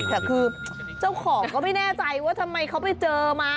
แต่คือเจ้าของก็ไม่แน่ใจว่าทำไมเขาไปเจอมา